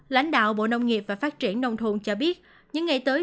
lãnh đạo bộ nông nghiệp và phát triển nông thôn cho biết những ngày tới